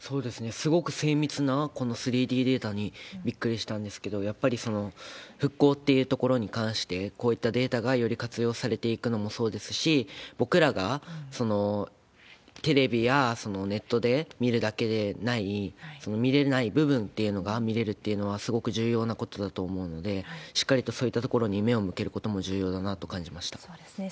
すごく精密な、この３Ｄデータにびっくりしたんですけれども、やっぱり復興っていうところに関して、こういったデータがより活用されていくのもそうですし、僕らがテレビやネットで見るだけでない、見れない部分っていうのが見れるっていうのはすごく重要なことだと思うので、しっかりとそういったところに目を向けることも重要だなと感じまそうですね。